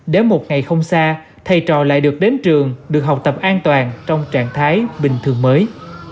để một ngày không xa thầy trò lại được đến trường được học tập an toàn trong trạng thái bình thường mới